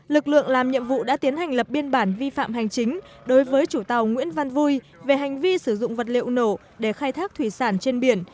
lực lượng làm nhiệm vụ đã tiến hành lập biên bản vi phạm hành chính đối với chủ tàu nguyễn văn vui về hành vi sử dụng vật liệu nổ để khai thác thủy sản trên biển